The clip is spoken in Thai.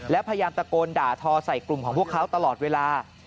และพยายามตะโกนด่าทอใส่กลุ่มของพวกเขาตลอดเวลา